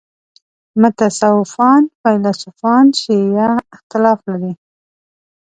متصوفان فیلسوفان شیعه اختلاف لري.